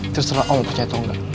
terserah allah percaya atau enggak